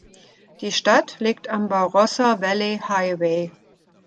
Die Stadt liegt am Barossa Valley Highway.